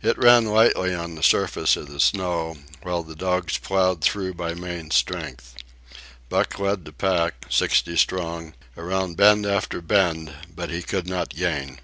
It ran lightly on the surface of the snow, while the dogs ploughed through by main strength. Buck led the pack, sixty strong, around bend after bend, but he could not gain.